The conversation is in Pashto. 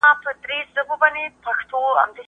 په ناروغۍ صبر وکړئ.